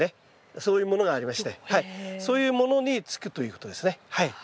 そういうものがありましてそういうものにつくということですねはい。